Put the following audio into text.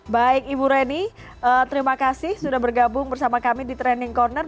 baik ibu reni terima kasih sudah bergabung bersama kami di training corner